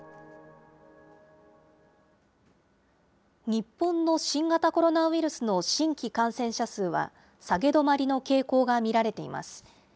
日本の新型コロナウイルスの新規感染者数は、下げ止まりの傾向が見られています。